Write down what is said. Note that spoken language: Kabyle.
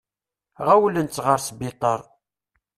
Ɣawlen-tt ɣer sbiṭar.